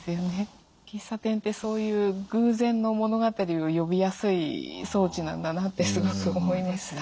喫茶店ってそういう偶然の物語を呼びやすい装置なんだなってすごく思いました。